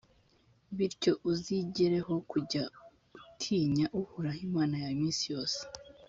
bityo uzigireho kujya utinya uhoraho imana yawe iminsi yose.